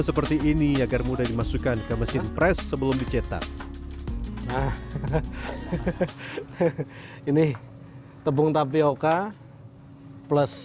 seperti ini agar mudah dimasukkan ke mesin pres sebelum dicetak ini tepung tapioca plus